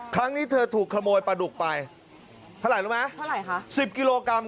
ครั้งนี้เธอถูกขโมยปลาดุกไป